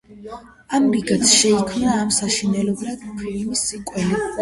ამრიგად შეიქმნა ამ საშინელებათა ფილმის სიკველი.